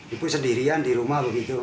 ibu sendirian di rumah begitu